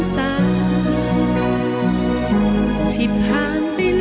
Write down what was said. สกิดยิ้ม